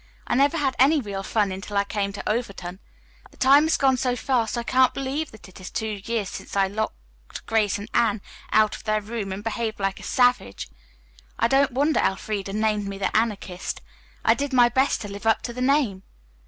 "I never had any real fun until I came to Overton. The time has gone so fast I can't believe that it is two years since I locked Grace and Anne out of their room and behaved like a savage. I don't wonder Elfreda named me the Anarchist. I did my best to live up to the name."